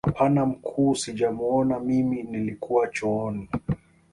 Hapana mkuu sijamuona mimi nilikuwa chooni